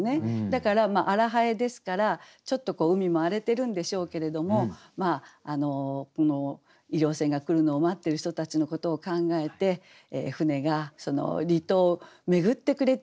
だから「荒南風」ですからちょっと海も荒れてるんでしょうけれども医療船が来るのを待ってる人たちのことを考えて船が離島を巡ってくれていることの安心感とか。